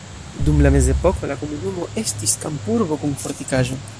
Dum la mezepoko la komunumo estis kampurbo kun fortikaĵo.